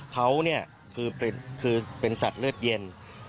เขาเป็นสัตว์เลือดเย็น